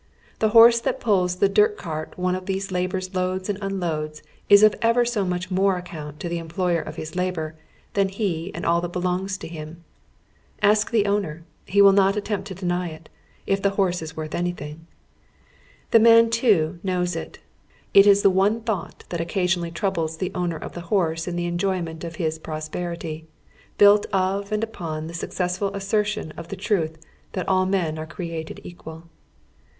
The horse that pulls the dirt cart one of these laborers loads and unloads is of ever so iiinch more ac count, to the employer of his labor than he and all that belongs to him. Ask the owner ; he will not attempt to deny it, if the horse is worth anytliing. The man too knows it. It is the one thought that occasionally troubles the owner of tlic liorso in the enjoyment of his prosperity, =,Google THE DOWN TOWN BACK ALLEYS. 41 built of and upon the successful assertion of the truth that all men are ci'eated equal.